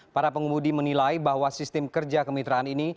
para pengemudi menilai bahwa sistem kerja kemitraan ini